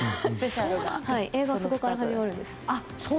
映画はそこから始まるんです。